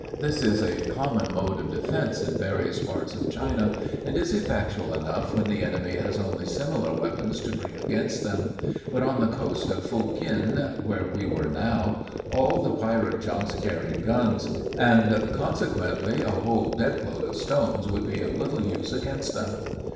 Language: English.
This is a common mode of defense in various parts of China, and is effectual enough when the enemy has only similar weapons to bring against them; but on the coast of Fokien, where we were now, all the pirate junks carried guns; and, consequently, a whole deck load of stones could be of little use against them.